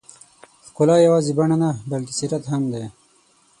ښکلا یوازې بڼه نه، بلکې سیرت هم دی.